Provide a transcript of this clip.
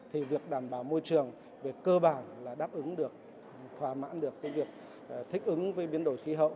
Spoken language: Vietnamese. thì việc đảm bảo môi trường về cơ bản là đáp ứng được thỏa mãn được cái việc thích ứng với biến đổi khí hậu